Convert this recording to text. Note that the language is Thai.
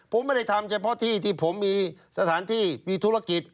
ผมไม่ได้ทำเฉพาะที่ที่ผมมีสถานที่มีธุรกิจ